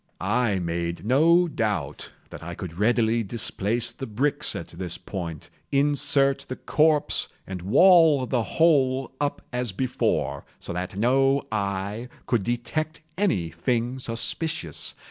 I made no doubt that I could readily displace the bricks at this point, insert the corpse, and wall the whole up as before, so that no eye could detect any thing suspicious.